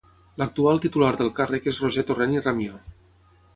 L'actual titular del càrrec és Roger Torrent i Ramió.